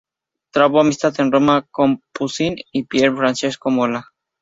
Trabó amistad en Roma con Poussin y Pier Francesco Mola.